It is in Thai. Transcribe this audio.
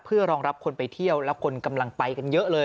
เพื่อรองรับคนไปเที่ยวแล้วคนกำลังไปกันเยอะเลย